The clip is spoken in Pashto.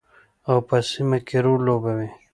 او په سیمه کې رول لوبوي.